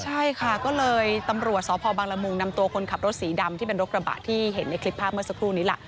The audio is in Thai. ใช่ค่ะก็เลยตำรวจสพบังละมุงนำตัวคนขับรถสีดำที่เป็นรถกระบะที่เห็นในคลิปภาพเมื่อสักครู่นี้ล่ะ